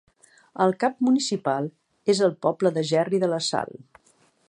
El cap municipal és el poble de Gerri de la Sal.